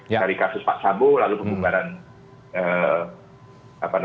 dari kasus pak sabu lalu kebubaran kasus ini